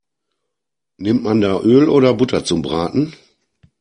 Nimmt man da Öl oder Butter zum Braten?